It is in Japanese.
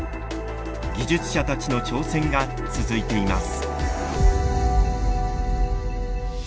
技術者たちの挑戦が続いています。